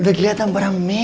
udah keliatan para mewah